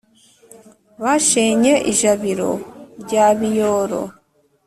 Bashenye ijabiro rya Biyoro,